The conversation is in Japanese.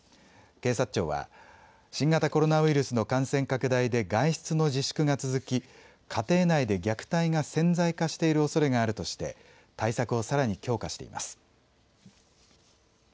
警察庁は、新型コロナウイルスの感染拡大で外出の自粛が続き家庭内で虐待が潜在化しているおそれがあるとして対策をさらに強化しています。